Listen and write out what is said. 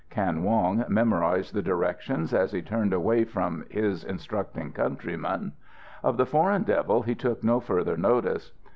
Kan Wong memorized the directions as he turned away from his instructing countryman. Of the Foreign Devil he took no further notice.